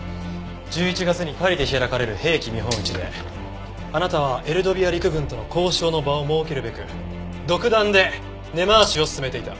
１１月にパリで開かれる兵器見本市であなたはエルドビア陸軍との交渉の場を設けるべく独断で根回しを進めていた。